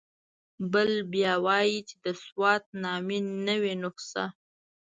بل بیا وایي چې د سوات نامې نوې نسخه.